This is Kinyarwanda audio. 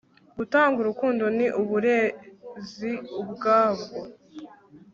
gutanga urukundo ni uburezi ubwabwo